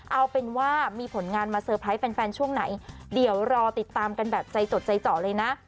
เอาเป็นว่ามีผลงานมาเตอร์ไพรส์แฟนช่วงไหนเดี๋ยวรอติดตามกันแบบใจจดใจเจาะเลยนะ